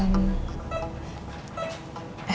aku mau telepon diri